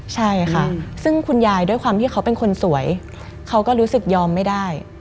ใช่ค่ะซึ่งคุณยายด้วยความที่เขาเป็นคนสวยเขาก็รู้สึกยอมไม่ได้